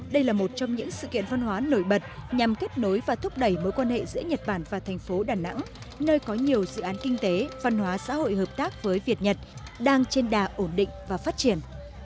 đây là một trong những sự kiện văn hóa nổi bật nhằm kết nối và thúc đẩy mối quan hệ giữa nhật bản và thành phố đà nẵng nơi có nhiều dự án kinh tế văn hóa xã hội hợp tác với việt nhật đang trên đà ổn định và phát triển